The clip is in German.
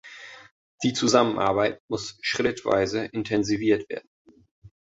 Die Zusammenarbeit muss schrittweise intensiviert werden.